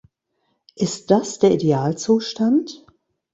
Ist das der Idealzustand?